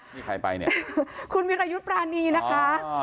มีใครไปเนี่ยอ้าวหรือคุณมิรยุตรประณีนะคะ